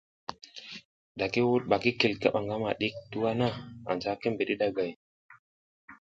Da ki wuɗ bak i kil kaɓa ngama ɗik tuwa na, anja ki bidi ɗagay.